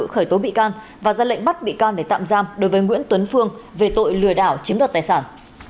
khởi tố bị can và ra lệnh bắt bị can để tạm giam đối với nguyễn tuấn phương về tội lừa đảo chiếm đoạt tài sản